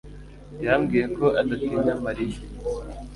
yambwiye ko adatinya mariya